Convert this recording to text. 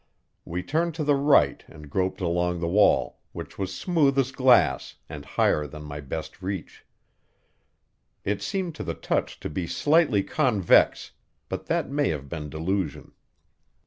We turned to the right and groped along the wall, which was smooth as glass and higher than my best reach. It seemed to the touch to be slightly convex, but that may have been delusion.